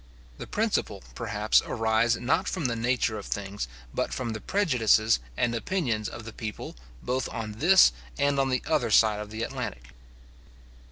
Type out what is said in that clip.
The principal, perhaps, arise, not from the nature of things, but from the prejudices and opinions of the people, both on this and on the other side of the Atlantic.